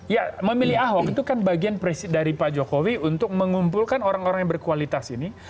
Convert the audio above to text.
ya memilih ahok itu kan bagian dari pak jokowi untuk mengumpulkan orang orang yang berkualitas ini